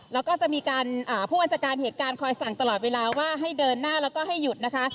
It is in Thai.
แล้วก็จะมีการผู้บัญชาการเหตุการณ์คอยสั่งตลอดเวลาว่าให้เดินหน้าแล้วก็ให้หยุดนะคะ